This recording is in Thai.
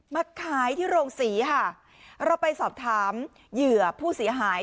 มาขายที่โรงศรีค่ะเราไปสอบถามเหยื่อผู้เสียหาย